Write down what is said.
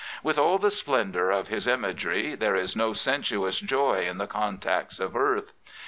With all the splendour of his imagery, there is no sensuous joy in the contacts of earth.